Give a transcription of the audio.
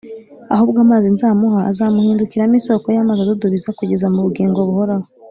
ahubwo amazi nzamuha azamuhindukiramo isoko y’amazi adudubiza kugeza mu bugingo buhoraho